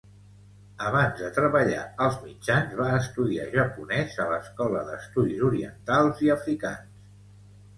Abans de treballar als mitjans, va estudiar japonès a l'Escola d'Estudis Orientals i Africans.